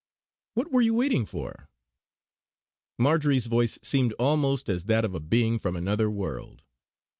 "What were you waiting for?" Marjory's voice seemed almost as that of a being from another world.